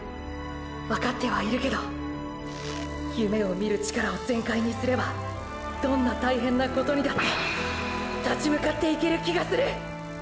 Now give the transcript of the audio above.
わかってはいるけど夢を見る力を全開にすればどんな大変なことにだって立ち向かっていける気がする！！